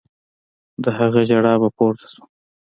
د هغه ژړا به پورته سوه.